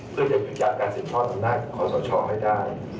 ก็จะหยุดจากการสินทอดธรรมนาคตของข้อสาวช้อให้ได้